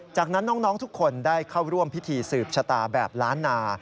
จากนั้นน้องทุกคนได้เข้าร่วมพิธีสืบชะตาแบบล้านนา